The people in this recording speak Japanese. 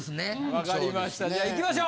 分かりました。